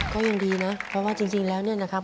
ก็ยังดีนะเพราะว่าจริงแล้วเนี่ยนะครับ